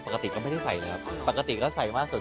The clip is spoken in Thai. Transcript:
ปกติก็ไม่ได้ใส่เลยครับปกติแล้วใส่มากสุด